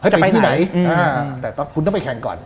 จะไปที่ไหนแต่คุณต้องไปแข่งก่อน